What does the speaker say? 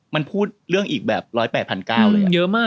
มันพูดเรื่องอีกแบบร้อยแปดพันเก้าเลยอะ